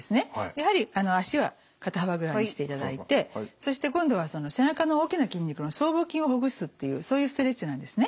やはり足は肩幅ぐらいにしていただいてそして今度は背中の大きな筋肉の僧帽筋をほぐすっていうそういうストレッチなんですね。